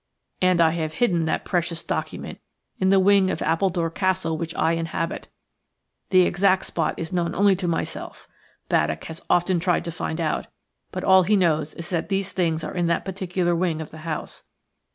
And I have hidden that precious document in the wing of Appledore Castle which I inhabit; the exact spot is known only to myself. Baddock has often tried to find out, but all he knows is that these things are in that particular wing of the house.